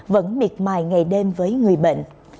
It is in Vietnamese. vẫn miệt mài ngày đêm với người bệnh